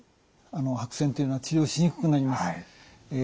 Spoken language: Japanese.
白癬っていうのは治療しにくくなります。